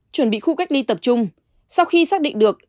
chuẩn bị khu cách ly tập trung sau khi xác định được